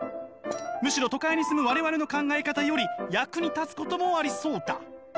むしろ都会に住む我々の考え方より役に立つこともありそうだ」。